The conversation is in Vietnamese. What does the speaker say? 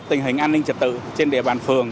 tình hình an ninh trật tự trên địa bàn phường